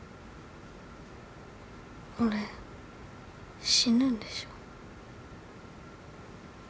俺死ぬんでしょ？